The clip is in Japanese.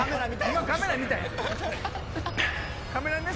今カメラ見たやん。